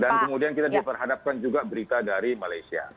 dan kemudian kita diperhadapkan juga berita dari malaysia